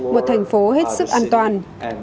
một thành phố hết sức an toàn